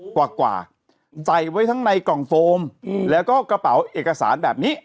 กว่าใส่ไว้ทั้งในกล่องโฟมแล้วก็กระเป๋าเอกสารแบบนี้